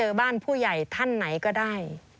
มีบอกว่าเป็นผู้การหรือรองผู้การไม่แน่ใจนะคะที่บอกเราในโทรศัพท์